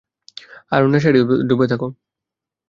আরো নেশায় ডুবে থাকো।